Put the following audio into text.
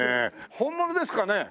本物ですかね？